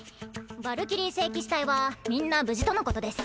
ヴァルキリー聖騎士隊はみんな無事とのことです